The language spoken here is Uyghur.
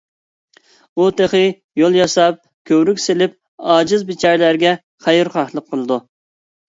ئۇ تېخى يول ياساپ، كۆۋرۈك سېلىپ، ئاجىز - بىچارىلەرگە خەيرخاھلىق قىلىدۇ.